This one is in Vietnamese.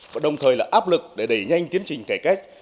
và đồng thời là áp lực để đẩy nhanh tiến trình cải cách